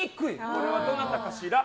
これはどなたかしら？